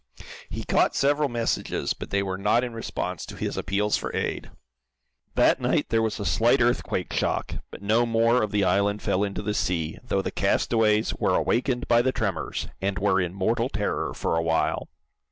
He caught several messages, but they were not in response to his appeals for aid. That night there was a slight earthquake shock, but no more of the island fell into the sea, though the castaways were awakened by the tremors, and were in mortal terror for a while.